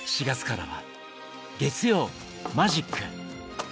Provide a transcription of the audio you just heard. ４月からは月曜「マジック」。